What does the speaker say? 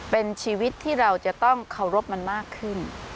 เป็นชีวิตที่เราจะต้องเคารพมันมากขึ้น